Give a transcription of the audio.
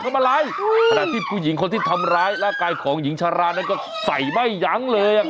ประดาษชีพผู้หญิงคนที่ทำร้ายร่ากายของหญิงชรานั้นก็ใส่ไม่ยั้งเลย